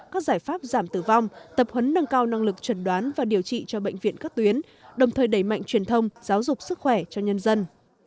các giải pháp giảm tử vong tập huấn nâng cao năng lực trần đoán và điều trị cho bệnh viện các tuyến đồng thời đẩy mạnh truyền thông giáo dục sức khỏe cho nhân dân